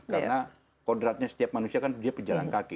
karena kodratnya setiap manusia kan dia pejalan kaki